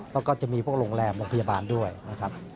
แล้วก็จะมีพวกโรงแรมโรงพยาบาลด้วยนะครับ